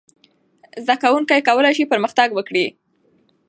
زده کوونکي کولای سي پرمختګ وکړي.